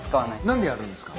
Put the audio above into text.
何でやるんですか？